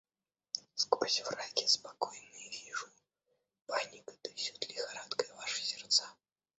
Сквозь фраки спокойные вижу — паника трясет лихорадкой ваши сердца.